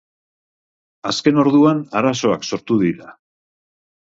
Azken orduan arazoak sortu dira.